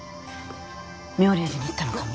妙霊寺に行ったのかも。